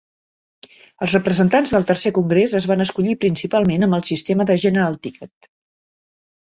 Els representants del tercer congrés es van escollir principalment amb el sistema de "General ticket".